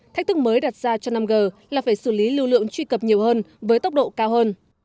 thách thức mới đặt ra cho năm g là phải xử lý lưu lượng truy cập nhiều hơn với tốc độ cao hơn